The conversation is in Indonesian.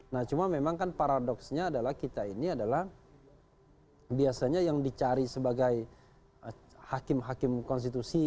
nah cuma memang kan paradoksnya adalah kita ini adalah biasanya yang dicari sebagai hakim hakim konstitusi